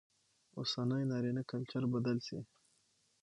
اوسنى نارينه کلچر بدل شي